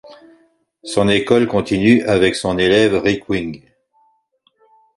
Son école continue avec son élève Rick Wing.